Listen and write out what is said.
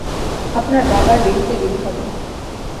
আপনার বাবার বেরুতে দেরি হবে।